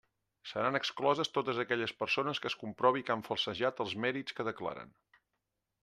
Seran excloses totes aquelles persones que es comprovi que han falsejat els mèrits que declaren.